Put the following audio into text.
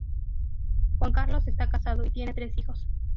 Juan Carlos esta casado y tiene tres hijos.